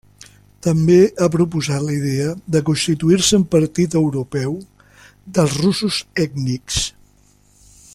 També ha proposat la idea de constituir-se en Partit Europeu dels russos ètnics.